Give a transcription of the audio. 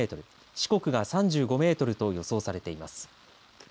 四国が３５メートルと予想されています。